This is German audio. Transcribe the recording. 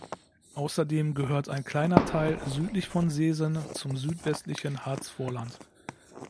Außerdem gehört ein kleiner Teil südlich von Seesen zum Südwestlichen Harzvorland.